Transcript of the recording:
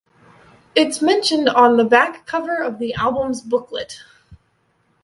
It's mentioned on the back cover of the album's booklet.